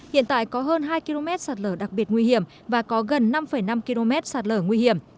hiện tại có hơn hai km sạt lở đặc biệt nguy hiểm và có gần năm năm km sạt lở nguy hiểm